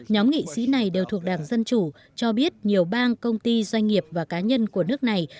nhóm nghị sĩ này đều thuộc đảng dân chủ cho biết nhiều bang công ty doanh nghiệp và cá nhân của nước này